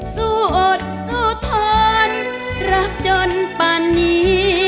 สู้อดสู้ทนรักจนป่านนี้